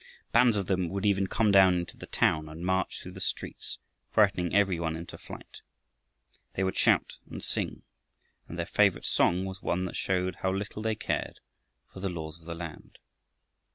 Bands of them would even come down into the town and march through the streets, frightening every one into flight. They would shout and sing, and their favorite song was one that showed how little they cared for the laws of the land.